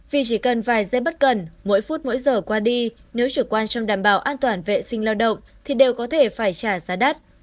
vì chỉ cần vài giây bất cần mỗi phút mỗi giờ qua đi nếu chủ quan trong đảm bảo an toàn vệ sinh lao động thì đều có thể phải trả giá đắt